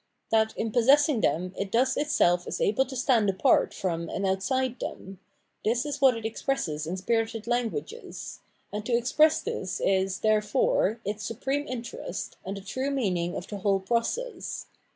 That in possessing them it thus itself is able to stand apart from and outside them, — this is what it expresses in spirited languages ; and to express this is, therefore, its supreme interest, and the true meaning of the whole process.